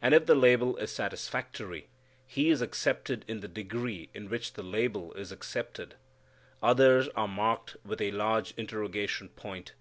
And if the label is satisfactory, he is acccepted in the degree in which the label is accepted. Others are marked with a large interrogation point.